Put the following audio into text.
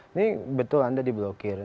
ini betul anda diblokir